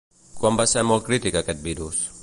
Quan va ser molt crític aquest virus?